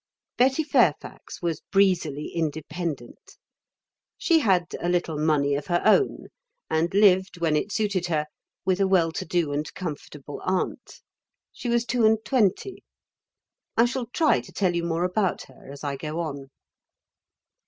Betty Fairfax was breezily independent. She had a little money of her own and lived, when it suited her, with a well to do and comfortable aunt. She was two and twenty. I shall try to tell you more about her, as I go on.